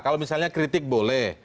kalau misalnya kritik boleh